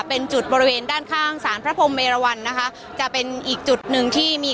เป็นจุดบริเวณด้านข้างสารพระพรมเมรวรรณนะคะจะเป็นอีกจุดหนึ่งที่มี